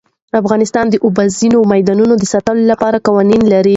افغانستان د اوبزین معدنونه د ساتنې لپاره قوانین لري.